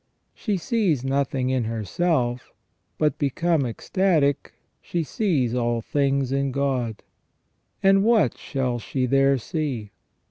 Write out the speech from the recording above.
She sees nothing in herself, but, become ecstatic, she sees all things in God. And what shall she there see